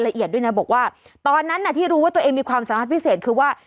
ด้วยนะบอกว่าตอนนั้นที่รู้ว่าตัวเองมีความสามารถพิเศษคือว่า